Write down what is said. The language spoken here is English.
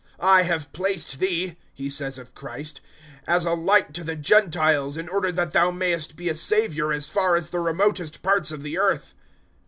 "`I have placed Thee,' He says of Christ, `as a light to the Gentiles, in order that Thou mayest be a Saviour as far as the remotest parts of the earth.'"